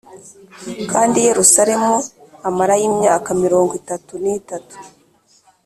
kandi i Yerusalemu amarayo imyaka mirongo itatu n’itatu